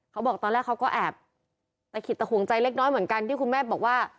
เขาบอกตอนแรกเขาก็แอบตะขิดตะห่วงใจเล็กน้อยเหมือนกันที่คุณแม่บอกว่า